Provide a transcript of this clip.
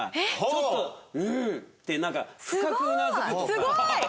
すごい！